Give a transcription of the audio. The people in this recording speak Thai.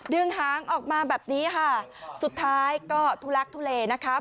หางออกมาแบบนี้ค่ะสุดท้ายก็ทุลักทุเลนะคะ